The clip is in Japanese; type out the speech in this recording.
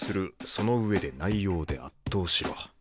「その上で内容で圧倒しろ」。